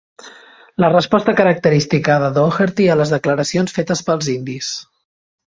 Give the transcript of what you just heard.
La resposta característica de Daugherty a les declaracions fetes pels indis.